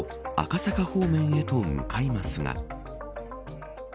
その後赤坂方面へと向かいますが。